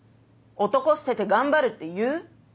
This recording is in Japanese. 「男捨てて頑張る」って言う？